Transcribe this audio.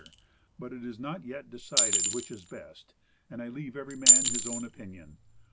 But it is not yet decided which is best, and I leave every man his own opinion.